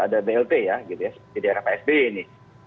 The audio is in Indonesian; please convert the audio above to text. ada dlp ya di era psb ini